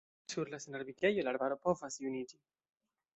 Sur la senarbigejo la arbaro povas juniĝi.